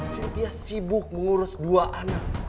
sintia sibuk mengurus dua anak